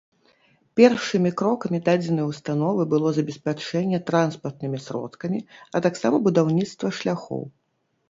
Першымі крокамі дадзенай установы было забеспячэнне транспартнымі сродкамі, а таксама будаўніцтва шляхоў.